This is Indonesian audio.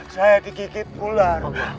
saya dikikit ular